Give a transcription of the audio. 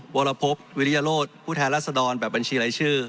วรพบวิริยโรธผู้แทนรัศดรแบบบัญชีรายชื่อ